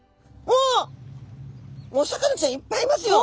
お魚ちゃんいっぱいいますよ！